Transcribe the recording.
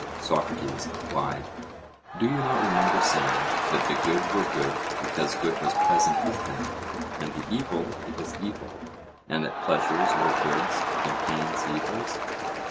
SOCRATES: Why, do you not remember saying that the good were good because good was present with them, and the evil because evil; and that pleasures were goods and pains evils?